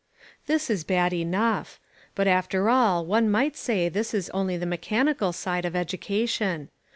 This is bad enough. But after all one might say this is only the mechanical side of education.